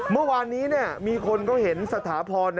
เมื่อวานนี้มีคนเขาเห็นสถาพร